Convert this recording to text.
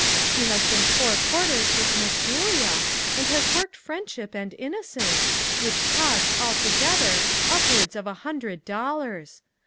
She has been four quarters with Miss Julia, and has worked Friendship and Innocence, which cost, altogether, upwards of a hundred dollars.